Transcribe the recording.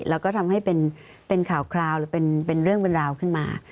แล้วก็ทำให้เป็นข่าวคราวหรือเป็นเรื่องเป็นราวขึ้นมา